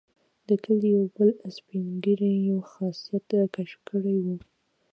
د کلي یو بل سپین ږیري یو خاصیت کشف کړی وو.